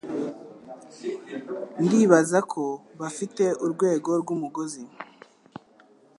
Ndibaza ko bafite urwego rwumugozi.